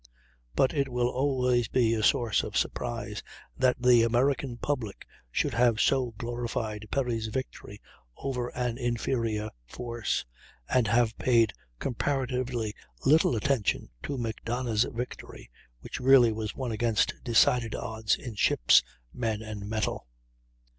But it will always be a source of surprise that the American public should have so glorified Perry's victory over an inferior force, and have paid comparatively little attention to Macdonough's victory, which really was won against decided odds in ships, men, and metal.